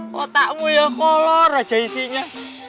kotakmu yang kolor aja isinya